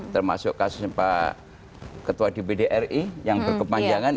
termasuk kasus pak ketua di bdri yang berkepanjangan